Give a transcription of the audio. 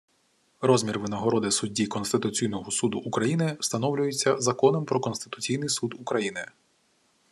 Розмір винагороди судді Конституційного Суду України встановлюється законом про Конституційний Суд України